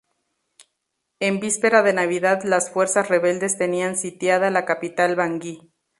En víspera de Navidad las fuerzas rebeldes tenían sitiada la capital, Bangui.